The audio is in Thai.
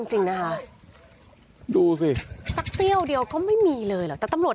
จริงนะคะดูสิสักเตี้ยวเดียวก็ไม่มีเลยเหรอแต่ตำรวจ